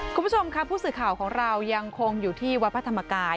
คุณผู้ชมค่ะผู้สื่อข่าวของเรายังคงอยู่ที่วัดพระธรรมกาย